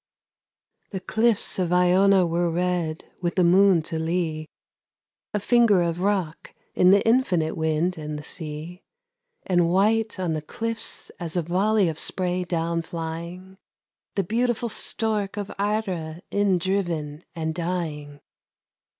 The cliffs of Iona were red, with the moon to lee, A finger of rock in the infinite wind and the sea; And white on the cliffs as a volley of spray down flying, The beautiful stork of Eiré indriven and dying.